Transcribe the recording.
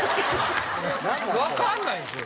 わかんないんですよ！